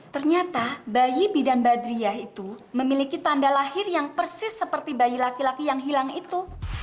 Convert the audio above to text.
ternyata bayi bidan badriah itu memiliki tanda lahir yang persis seperti bayi laki laki yang hilang itu